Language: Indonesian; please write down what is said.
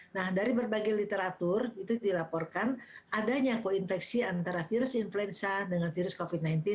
nah dari berbagai literatur itu dilaporkan adanya koinfeksi antara virus influenza dengan virus covid sembilan belas